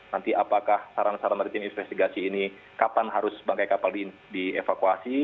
nanti apakah saran saran dari tim investigasi ini kapan harus bangkai kapal dievakuasi